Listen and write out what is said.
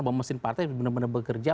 bahwa mesin partai benar benar bekerja